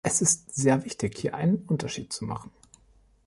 Es ist sehr wichtig, hier einen Unterschied zu machen.